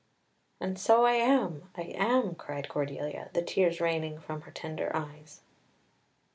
"And so I am, I am," cried Cordelia, the tears raining from her tender eyes.